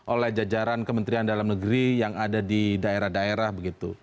oleh jajaran kementerian dalam negeri yang ada di daerah daerah begitu